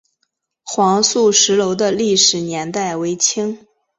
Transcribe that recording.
黄素石楼的历史年代为清。